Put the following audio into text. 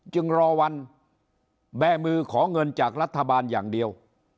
จึงรอวันแบมือขอเงินจากรัฐบาลอย่างเดียว